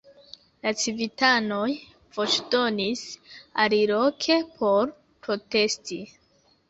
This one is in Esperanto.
La civitanoj voĉdonis aliloke por protesti.